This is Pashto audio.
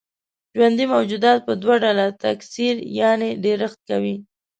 ژوندي موجودات په دوه ډوله تکثر يعنې ډېرښت کوي.